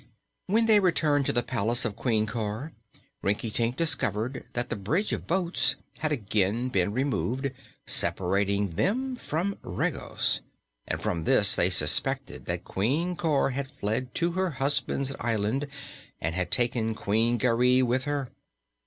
When they returned to the palace of Queen Cor, Rinkitink discovered that the bridge of boats had again been removed, separating them from Regos, and from this they suspected that Queen Cor had fled to her husband's island and had taken Queen Garee with her.